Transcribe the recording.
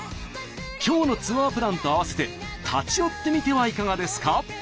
今日のツアープランと併せて立ち寄ってみてはいかがですか？